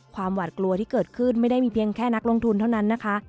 หวาดกลัวที่เกิดขึ้นไม่ได้มีเพียงแค่นักลงทุนเท่านั้นนะคะ